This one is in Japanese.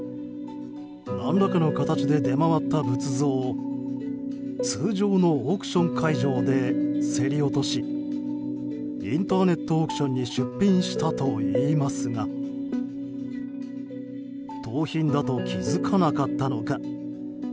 何らかの形で出回った仏像を通常のオークション会場で競り落としインターネットオークションに出品したといいますが盗品だと気づかなかったのか。